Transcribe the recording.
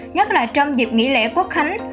nhất là trong dịp nghỉ lễ quốc khánh